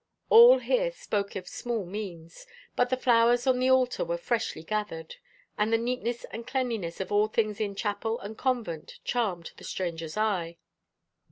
All here spoke of small means; but the flowers on the altar were freshly gathered, and the neatness and cleanliness of all things in chapel and convent charmed the stranger's eye.